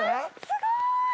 すごい！